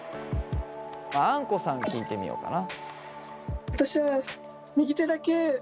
あんこさん聞いてみようかな。